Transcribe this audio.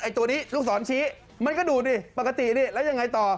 ตัวนี้ลูกศรชี้มันก็ดูดดิปกติดิแล้วยังไงต่อ